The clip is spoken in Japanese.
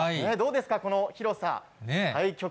どうですか、この広さ。